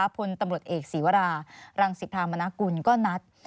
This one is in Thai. พลตำรวจเอกศีวรารังสิพรามนากุลก็นัด